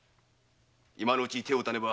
今のうち手を打たねば。